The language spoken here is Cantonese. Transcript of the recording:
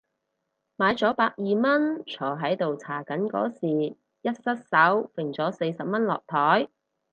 買咗百二蚊，坐喺度搽緊嗰時一失手揈咗四十蚊落枱